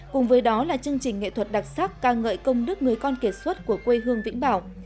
cùng với đó là chương trình nghệ thuật đặc sắc ca ngợi công đức người con kiệt xuất của quê hương vĩnh bảo